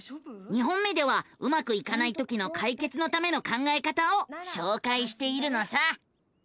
２本目ではうまくいかないときの解決のための考えた方をしょうかいしているのさ。